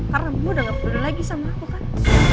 karena kamu udah gak perlu lagi sama aku kan